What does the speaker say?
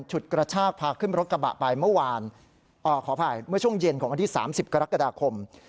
ฉุดกระชากพาขึ้นรถกระบะไปเมื่อช่วงเย็นของอันที่๓๐กรกฎาคม